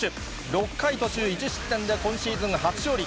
６回途中１失点で、今シーズン初勝利。